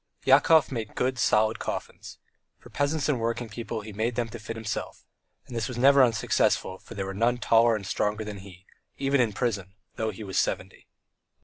Yakov made good, solid coffins. For peasants and working people he made them to fit himself, and this was never unsuccessful, for there were none taller and stronger than he, even in the prison, though he was seventy.